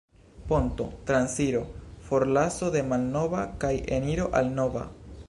Ponto: Transiro, forlaso de malnova kaj eniro al nova.